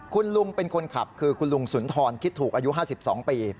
คุณลุงเป็นคนขับคือคุณลุงสุนทรคิดถูกอายุ๕๒ปี